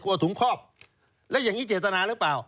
ก็เอาถุงคอบแล้วยังงี้เจตนาหรือเปล่า